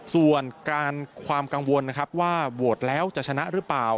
ส่วนการความกังวลนะครับว่าโหวตแล้วจะชนะหรือเปล่า